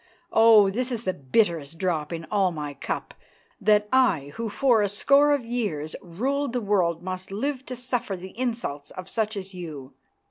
Oh! this is the bitterest drop in all my cup, that I who for a score of years ruled the world must live to suffer the insults of such as you."